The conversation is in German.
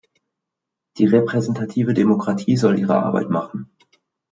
Die repräsentative Demokratie soll ihre Arbeit machen!